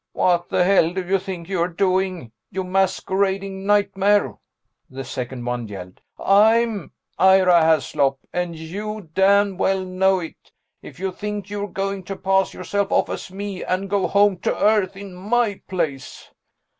"What the hell do you think you're doing, you masquerading nightmare?" the second one yelled. "I'm Ira Haslop, and you damn well know it! If you think you're going to pass yourself off as me and go home to Earth in my place...."